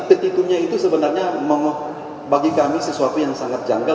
petitunnya itu sebenarnya bagi kami sesuatu yang sangat janggal